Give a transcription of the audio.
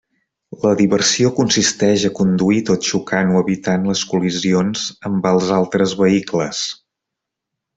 La diversió consisteix a conduir tot xocant o evitant les col·lisions amb els altres vehicles.